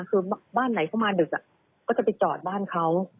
คือบ้านไหนเข้ามาดึกก็จะไปจอดบ้านเขา